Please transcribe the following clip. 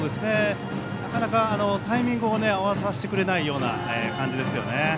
なかなかタイミングを合わさせてくれないような感じですよね。